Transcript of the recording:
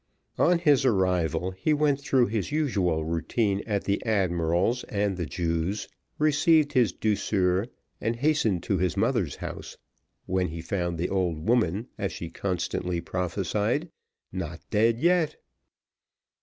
On his arrival, he went through his usual routine at the admiral's and the Jew's, received his douceur, and hastened to his mother's house, when he found the old woman, as she constantly prophesied, not dead yet.